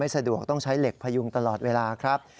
สะดวกต้องใช้เหล็กพยุงตลอดเวลาครับ